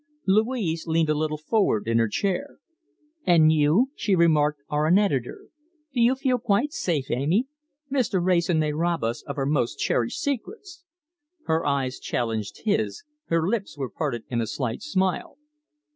Louise leaned a little forward in her chair. "And you," she remarked, "are an editor! Do you feel quite safe, Amy? Mr. Wrayson may rob us of our most cherished secrets." Her eyes challenged his, her lips were parted in a slight smile.